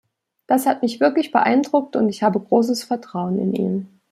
Das hat mich wirklich beeindruckt und ich habe großes Vertrauen in ihn.